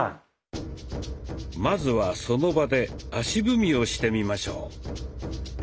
まずはその場で足踏みをしてみましょう。